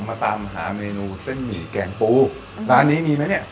มาตามหาเมนูเส้นหมี่แกงปูร้านนี้มีไหมเนี่ย